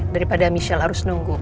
daripada michelle harus nunggu